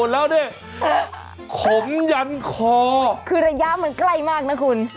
แล้วนี่ขมยันคอขึ้นมันใกล้มากนะคุณ